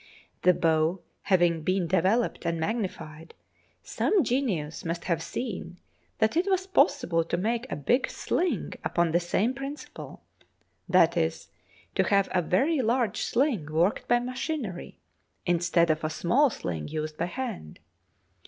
The bow having been developed and magnified, some genius must have seen that it was possible to make a big sling upon the same principle — that is, to have a very large sling worked by machinery, instead of a small sling used by hand.